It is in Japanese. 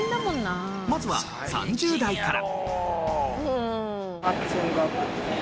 まずは３０代から。